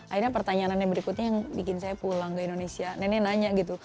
akhirnya pertanyaan anda berikutnya yang bikin saya pulang ke indonesia nenek nanya gitu